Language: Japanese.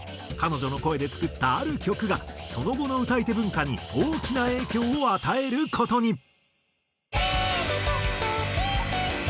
彼女の声で作ったある曲がその後の歌い手文化に大きな影響を与える事に。